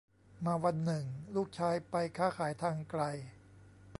มาวันหนึ่งลูกชายไปค้าขายทางไกล